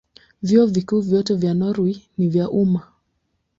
Vyuo Vikuu vyote vya Norwei ni vya umma.